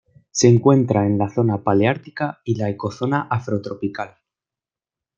Se encuentra en la zona paleártica y la Ecozona afrotropical.